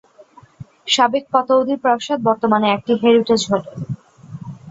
সাবেক পতৌদি প্রাসাদ বর্তমানে একটি হেরিটেজ হোটেল।